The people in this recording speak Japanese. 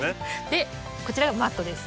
でこちらがマットです。